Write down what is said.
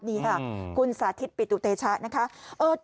นี่ค่ะคุณสาธิตปิตูเตชัตรรัฐมนตรีช่วย